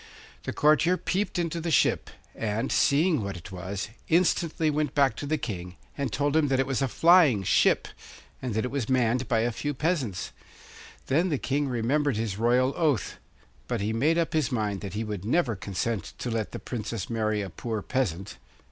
The courtier peeped into the ship, and, seeing what it was, instantly went back to the King and told him that it was a flying ship, and that it was manned by a few peasants. Then the King remembered his royal oath; but he made up his mind that he would never consent to let the Princess marry a poor peasant.